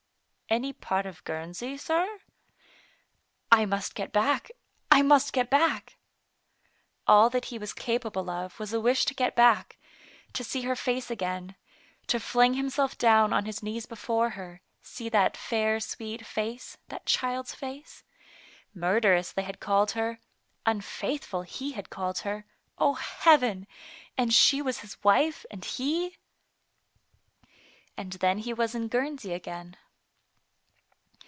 " Any part of Guernsey, sir ?"I must get back, I must get back." All that he was capable of was a wish to get back, to see her face again, to fling himself down on his knees before her, see that fair sweet face, that child's face. Murderess they had called her, unfaithful he had called her, O Heaven ! and she was his wife, and he And then he was in Guernsey again.